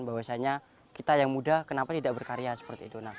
bahwasanya kita yang muda kenapa tidak berkarya seperti itu